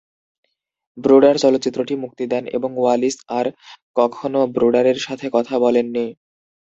Brooder চলচ্চিত্রটি মুক্তি দেন এবং ওয়ালিস আর কখনো ব্রোডারের সাথে কথা বলেননি।